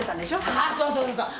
あっそうそうそうそう。